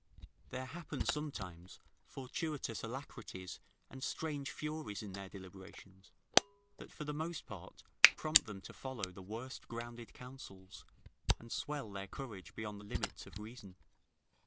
There happen, sometimes, fortuitous alacrities and strange furies in their deliberations, that for the most part prompt them to follow the worst grounded counsels, and swell their courage beyond the limits of reason.